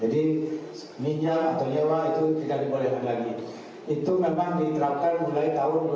kenapa sekarang karena kita sedang berpenang sekarang ini